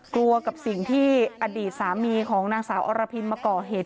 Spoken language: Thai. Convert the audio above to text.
กับสิ่งที่อดีตสามีของนางสาวอรพินมาก่อเหตุ